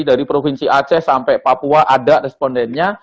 dari provinsi aceh sampai papua ada respondennya